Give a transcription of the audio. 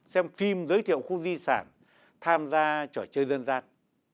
xem phim giới thiệu khu di sản tham gia trò chơi dân gian